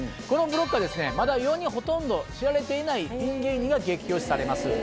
このブロックはですねまだ世にほとんど知られていないピン芸人が激推しされます。